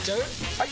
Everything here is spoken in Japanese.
・はい！